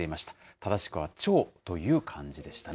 正しくは超という漢字でしたね。